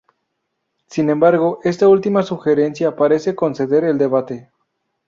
Sin embargo esta última sugerencia parece conceder el debate.